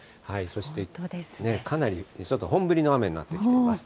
そして、かなりちょっと本降りの雨になってきています。